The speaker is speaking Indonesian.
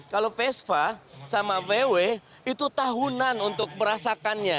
kalau vespa sama vw itu tahunan untuk merasakannya